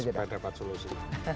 supaya dapat solusi